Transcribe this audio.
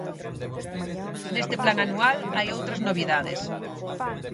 Neste plan anual hai outras novidades.